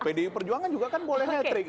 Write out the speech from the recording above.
pdi perjuangan juga kan boleh hattrick